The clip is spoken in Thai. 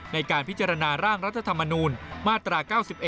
ในการพิจารณาร่างรัฐธรรมนูลมาตรา๙๑